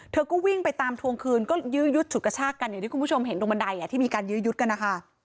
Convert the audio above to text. เธอก็วิ่งไปตามทวงคืนก็ยื้อยุดฉุดกระชากกันอย่างที่คุณผู้ชมเห็นตรงบันไดที่มีการยื้อยุดกันนะคะ